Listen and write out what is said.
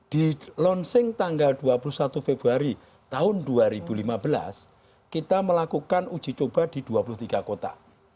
di launching tanggal dua puluh satu februari tahun dua ribu lima belas kita melakukan uji coba di dua puluh tiga kota